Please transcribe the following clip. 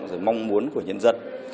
rồi là mong muốn của nhân dân